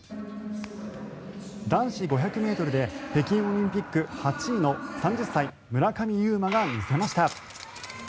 男子５００ｍで北京オリンピック８位の３０歳、村上右磨が見せました。